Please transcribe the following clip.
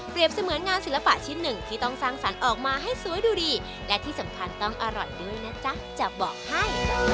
เสมือนงานศิลปะชิ้นหนึ่งที่ต้องสร้างสรรค์ออกมาให้สวยดูดีและที่สำคัญต้องอร่อยด้วยนะจ๊ะจะบอกให้